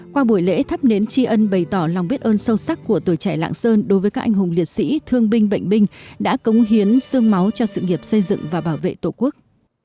qua buổi lễ thắp nến tri ân bày tỏ lòng biết ơn sâu sắc của tuổi trẻ lạng sơn đối với các anh hùng liệt sĩ thương binh bệnh binh đã cống hiến sương máu cho sự nghiệp xây dựng và bảo vệ tổ quốc